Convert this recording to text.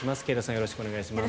よろしくお願いします。